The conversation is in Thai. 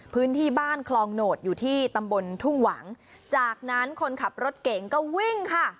พื้นที่บ้านคลองโหนดอยู่ที่ตำบลทุ่งหวังจากนั้นคนขับรถเก่งก็วิ่งค่ะ